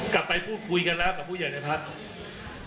กลับไปพูดคุยกันแล้วกับผู้ใหญ่ในพัก